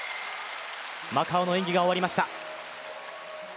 マカオの演技が終わりました。